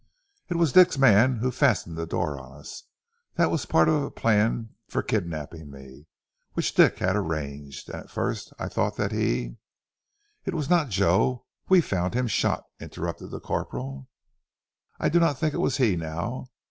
"It was Dick's man who fastened the door on us. That was part of a plan for kidnapping me, which Dick had arranged, and at first I thought that he " "It was not Joe. We found him shot," interrupted the corporal. "I do not think it was he now.